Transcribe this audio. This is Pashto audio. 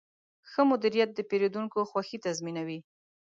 ښه مدیریت د پیرودونکو خوښي تضمینوي.